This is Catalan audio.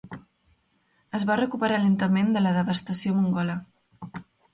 Es va recuperar lentament de la devastació mongola.